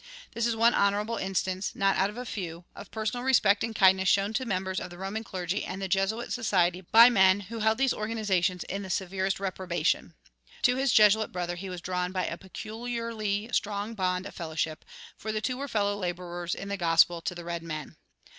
This is one honorable instance, out of not a few, of personal respect and kindness shown to members of the Roman clergy and the Jesuit society by men who held these organizations in the severest reprobation. To his Jesuit brother he was drawn by a peculiarly strong bond of fellowship, for the two were fellow laborers in the gospel to the red men.